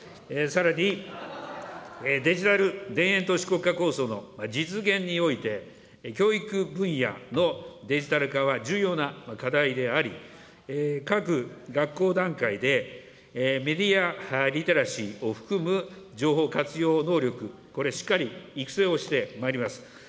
さらにデジタル田園都市国家構想の実現において、教育分野のデジタル化は重要な課題であり、各学校段階でメディアリテラシーを含む情報活用能力、これ、しっかり育成をしてまいります。